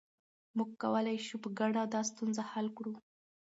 موږ کولای شو په ګډه دا ستونزه حل کړو.